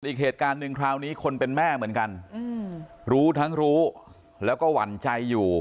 อีกเหตุการณ์หนึ่งคราวนี้คนเป็นแม่เหมือนกันรู้ทั้งรู้แล้วก็หวั่นใจอยู่